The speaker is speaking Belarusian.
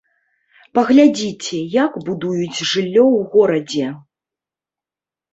Паглядзіце, як будуюць жыллё ў горадзе!